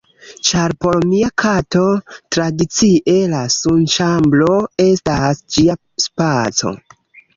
ĉar por mia kato tradicie la sunĉambro estas ĝia spaco.